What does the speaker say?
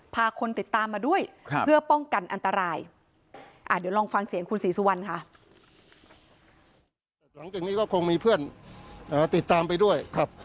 พาคนติดตามมาด้วยเพื่อป้องกันอันตราย